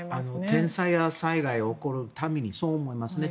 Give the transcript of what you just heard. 天災や災害が起こる度にそう思いますね。